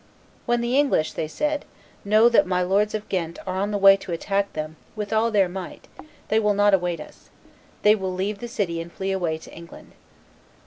"When the English," they said, "know that my lords of Ghent are on the way to attack them with all their might they will not await us; they will leave the city and flee away to England."